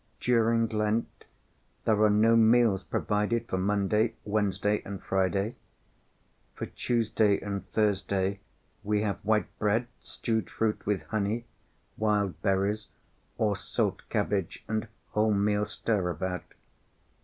During Lent there are no meals provided for Monday, Wednesday, and Friday. For Tuesday and Thursday we have white bread, stewed fruit with honey, wild berries, or salt cabbage and wholemeal stirabout.